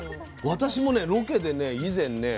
私もロケで以前ね